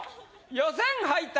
予選敗退